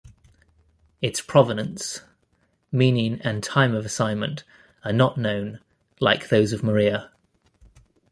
Its provenience, meaning and time of assignment are not known, like those of Morea.